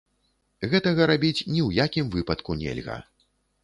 Гэтага рабіць ні ў якім выпадку нельга.